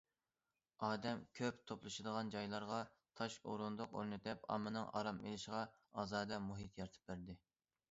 ئادەم كۆپ توپلىشىدىغان جايلارغا تاش ئورۇندۇق ئورنىتىپ، ئاممىنىڭ ئارام ئېلىشىغا ئازادە مۇھىت يارىتىپ بەردى.